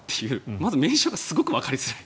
まず、名称がすごくわかりづらい。